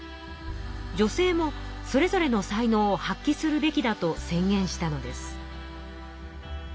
女性もそれぞれの才能を発揮するべきだと宣言したのです。